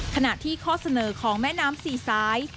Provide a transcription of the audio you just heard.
ขณะที่ข้อเสนอของแม่น้ำสี่สาย